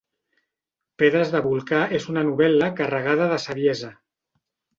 Pedres de volcà és una novel·la carregada de saviesa.